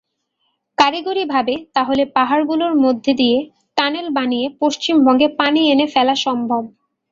কারিগরিভাবে তাহলে পাহাড়গুলোর মধ্যে দিয়ে টানেল বানিয়ে পশ্চিমবঙ্গে পানি এনে ফেলা সম্ভব।